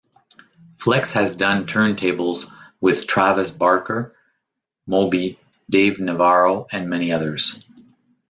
Flex has done turntables with Travis Barker, Moby, Dave Navarro and many others.